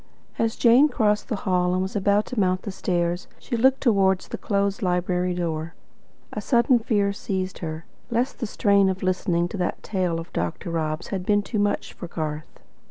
As Jane crossed the hall and was about to mount the stairs, she looked towards the closed library door. A sudden fear seized her, lest the strain of listening to that tale of Dr. Rob's had been too much for Garth.